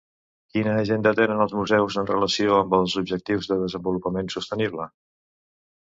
Quina agenda tenen els museus en relació amb els objectius de desenvolupament sostenible?